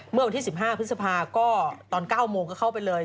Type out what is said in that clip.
เมื่อวันที่๑๕พฤษภาก็ตอน๙โมงก็เข้าไปเลย